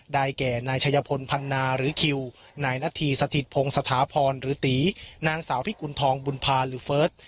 แก่นายชัยพลพันนาหรือคิวนายนาธีสถิตพงศ์สถาพรหรือตีนางสาวพิกุณฑองบุญภาหรือเฟิร์ส